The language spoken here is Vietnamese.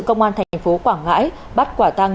công an thành phố quảng ngãi bắt quả tăng